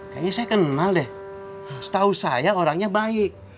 kayaknya saya kenal deh setahu saya orangnya baik